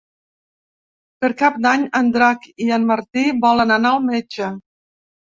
Per Cap d'Any en Drac i en Martí volen anar al metge.